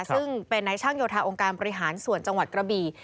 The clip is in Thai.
ซึ่งเป็นนายช่างโยธาองค์การบริหารส่วนจังหวัดกระบี่